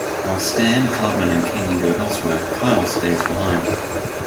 While Stan, Cartman and Kenny go elsewhere, Kyle stays behind.